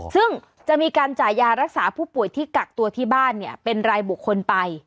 ซึ่งจะมีการจ่ายยารักษาผู้ป่วยที่กักตัวที่บ้านเป็นรายบุคคลไป